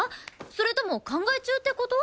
それとも考え中って事？